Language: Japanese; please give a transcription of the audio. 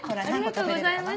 ありがとうございます。